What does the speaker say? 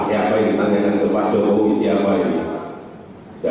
siapa yang nanyakan ke pak jokowi siapa yang nanya